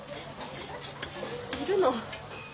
いるの。